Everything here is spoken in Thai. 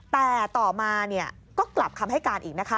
แต่ต่อมาก็กลับคำให้การอีกนะคะ